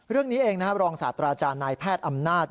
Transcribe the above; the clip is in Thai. เรื่องนี้เองนะครับรองศาสตราจารย์นายแพทย์อำนาจ